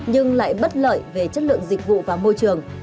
nhưng lại bất lợi về chất lượng dịch vụ và môi trường